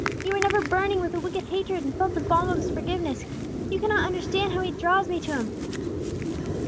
You were never burning with a wicked hatred, and felt the balm of His forgiveness! You cannot understand how He draws me to Him!"